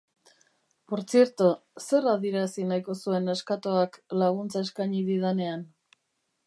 Portzierto, zer adierazi nahiko zuen neskatoak laguntza eskaini didanean?